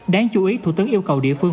đáng chú ý thủ tướng yêu cầu địa phương